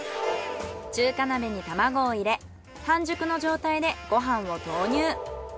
中華鍋に卵を入れ半熟の状態でご飯を投入。